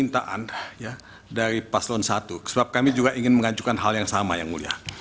tim hukum ganjar pranoma fusil